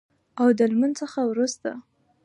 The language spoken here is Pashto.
او د لمونځ څخه وروسته